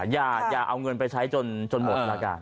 อย่าเอาเงินไปใช้จนหมดแล้วกัน